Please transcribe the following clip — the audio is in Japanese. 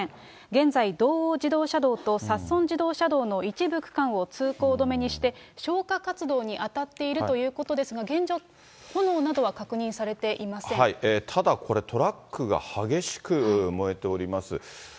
現在、道央自動車道と札樽自動車道の一部区間を通行止めにして、消火活動に当たっているということですが、現状、炎などは確認さただこれ、トラックが激しく燃えております。